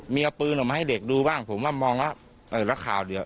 มีเอาปืนออกมาให้เด็กดูบ้างผมว่ามองว่าเออแล้วข่าวเดียว